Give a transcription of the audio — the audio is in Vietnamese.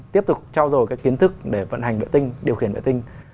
tiếp tục trao dồi các kiến thức để vận hành vệ tinh điều khiển vệ tinh